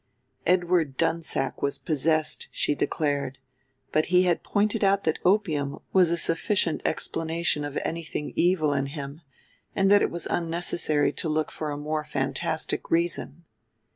Edward Dunsack was possessed, she declared; but he had pointed out that opium was a sufficient explanation of anything evil in him, and that it was unnecessary to look for a more fantastic reason.